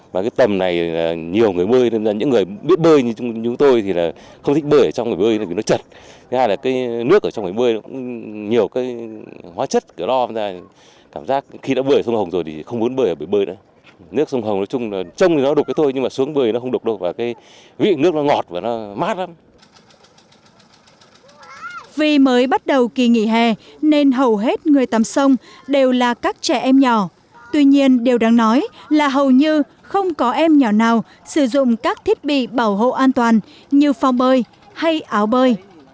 vì mới bắt đầu kỳ nghỉ hè nên hầu hết người tắm sông đều là các trẻ em nhỏ tuy nhiên điều đáng nói là hầu như không có em nhỏ nào sử dụng các thiết bị bảo hộ an toàn như phòng bơi hay áo bơi